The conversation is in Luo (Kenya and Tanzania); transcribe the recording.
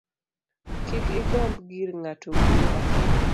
Kik igomb gir ng’ato wuoda